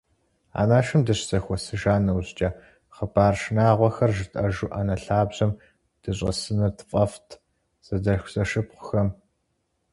Анэшым дыщызэхуэсыжа нэужькӏэ, хъыбар шынагъуэхэр жытӏэжу ӏэнэ лъабжьэм дыщӏэсыныр тфӏэфӏт зэдэлъхузэшыпхъухэм.